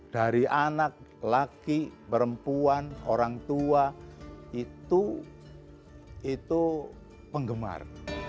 dari anak laki perempuan orang tua itu penggemar